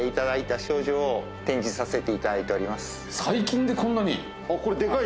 最近でこんなに？